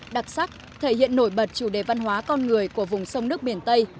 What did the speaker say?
đặc sắc thể hiện nổi bật chủ đề văn hóa con người của vùng sông nước biển tây